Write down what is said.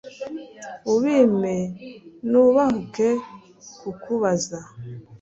ubimpe nubahuke kukubaza